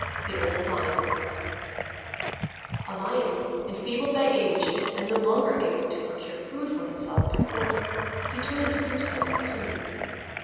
THE OLD LION A Lion, enfeebled by age and no longer able to procure food for himself by force, determined to do so by cunning.